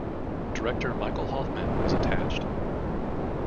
Director Michael Hoffman was attached.